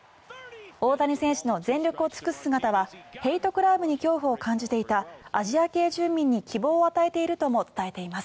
大谷選手の全力を尽くす姿はヘイトクライムに恐怖を感じていたアジア系住民に希望を与えているとも伝えています。